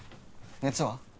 熱は？